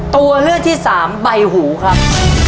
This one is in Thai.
ตัวเลือกที่สามใบหูครับ